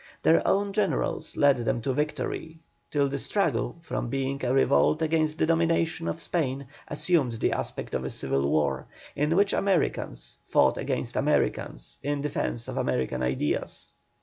Their own generals led them to victory, till the struggle, from being a revolt against the domination of Spain assumed the aspect of a civil war, in which Americans fought against Americans in defence of American ideas.